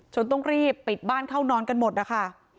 ต้องรีบปิดบ้านเข้านอนกันหมดนะคะ